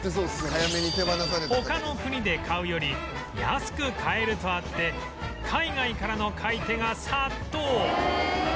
「早めに手放された」他の国で買うより安く買えるとあって海外からの買い手が殺到！